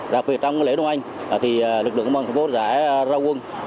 đặc biệt trong lễ đông anh lực lượng công an thành phố đã ra quân